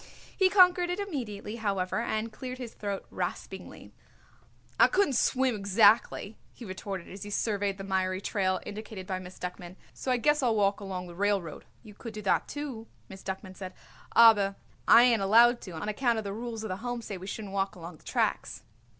He conquered it immediately, however, and cleared his throat raspingly. "I couldn't swim exactly," he retorted as he surveyed the miry trail indicated by Miss Duckman, "so I guess I'll walk along the railroad." "You could do that, too," Miss Duckman said, "aber I ain't allowed to, on account the rules of the Home says we shouldn't walk along the tracks."